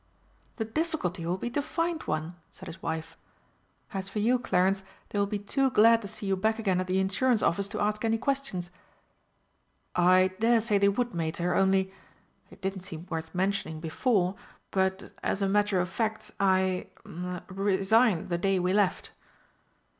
"The difficulty will be to find one!" said his wife. "As for you, Clarence, they will be too glad to see you back again at the Insurance Office to ask any questions." "I dare say they would, Mater, only it didn't seem worth mentioning before but, as a matter of fact, I er resigned the day we left."